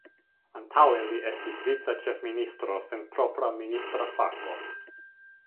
Antaŭe li estis vica ĉefministro sen propra ministra fako.